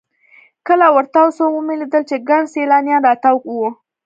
کله ورتاو سوم ومې لېدل چې ګڼ سیلانیان راتاو وو.